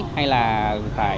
hay là khải